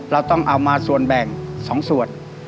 เราต้องเอามาส่วนแบ่ง๒ส่วน